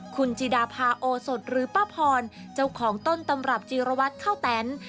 คุณจิดาพาโอสดหรือป้าพรเจ้าของต้นตำรับจีรวัตรข้าวแตน